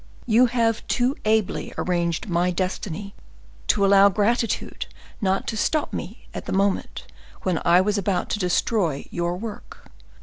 You have too ably arranged my destiny to allow gratitude not to stop me at the moment when I was about to destroy your work.